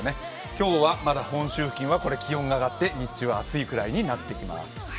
今日はまだ本州付近は気温が上がって日中は暑いくらいになってきます。